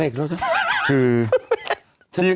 คือ